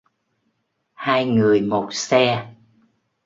Hai người một xe